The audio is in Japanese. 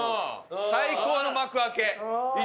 最高の幕開け。